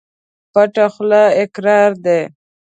پټه خوله اقرار دى.